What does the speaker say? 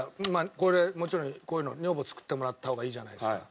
これもちろんこういうの女房に作ってもらった方がいいじゃないですか。